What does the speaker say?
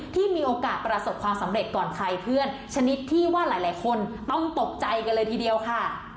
ที่มีโอกาสประสบความสำเร็จก่อนใครเพื่อนชนิดที่ว่าหลายคนต้องตกใจกันเลยทีเดียวค่ะ